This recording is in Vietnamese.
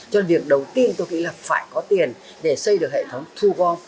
cho nên việc đầu tiên tôi nghĩ là phải có tiền để xây được hệ thống thu gom